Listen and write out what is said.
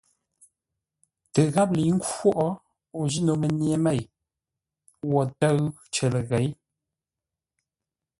Tə gháp lə̌i khwóʼ, o ji no mənye mêi wo tə́ʉ cər ləghěi.